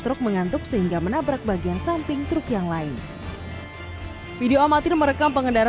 truk mengantuk sehingga menabrak bagian samping truk yang lain video amatir merekam pengendara